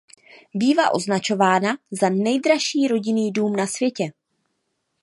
Bývá označována za nejdražší rodinný dům na světě.